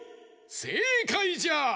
せいかいじゃ！